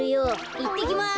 いってきます。